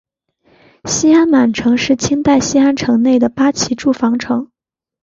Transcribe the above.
西安满城是清代西安城内的八旗驻防城。